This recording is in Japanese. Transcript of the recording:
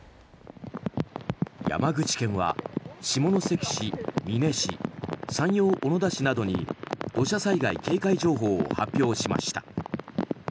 山口県は下関市、美祢市山陽小野田市などに土砂災害警戒情報を発表しました。